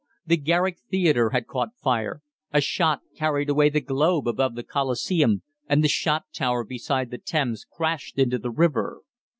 The Garrick Theatre had caught fire; a shot carried away the globe above the Coliseum, and the Shot Tower beside the Thames crashed into the river.